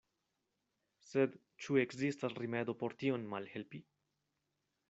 Sed ĉu ekzistas rimedo por tion malhelpi?